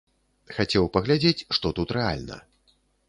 Хацеў паглядзець, што тут рэальна.